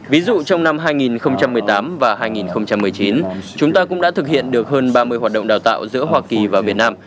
ví dụ trong năm hai nghìn một mươi tám và hai nghìn một mươi chín chúng ta cũng đã thực hiện được hơn ba mươi hoạt động đào tạo giữa hoa kỳ và việt nam